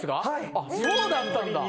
あそうだったんだ。